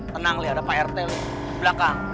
tenang lihat ada pak rt belakang